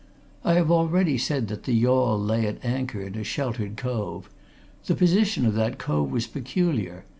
I have already said that the yawl lay at anchor in a sheltered cove. The position of that cove was peculiar.